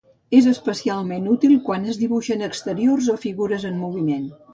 És especialment útil quan es dibuixen exteriors o figures en moviment.